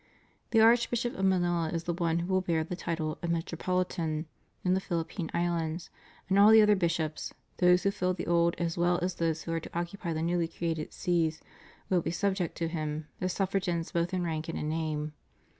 The Archbishop of Manila is the one who will bear the title of "Metropohtan" in the Phihppine Islands; and all the other bishops, those who fill the old as well as those who are to occupy the newly created sees, will be subject to him, as suffragans both in rank and in name.